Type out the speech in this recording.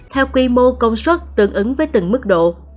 theo quy mô công suất tương ứng với từng mức độ